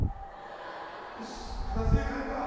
よし片づけて帰るか。